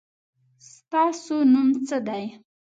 ستاسو نوم څه دی ؟